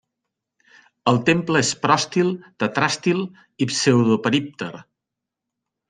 El temple és pròstil, tetràstil i pseudoperípter.